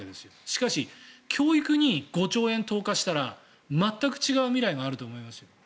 しかし、教育に５兆円投下したら全く違う未来があると思いますよ。